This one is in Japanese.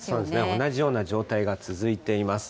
同じような状態が続いています。